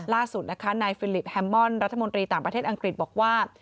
ล่าสุดนะคะนายฟิลิปแฮมมอนรัฐมนตรีต่างประเทศอังกฤษบอกว่า